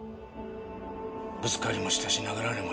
ぶつかりもしたし殴られもした。